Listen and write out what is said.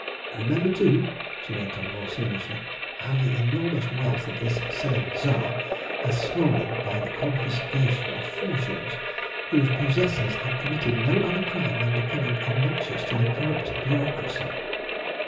Remember, too," she went on more seriously, "how the enormous wealth of this same Tsar has swollen by the confiscation of fortunes whose possessors had committed no other crime than becoming obnoxious to the corrupt bureaucracy."